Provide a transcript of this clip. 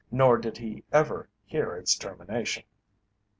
Nor did he ever hear its termination.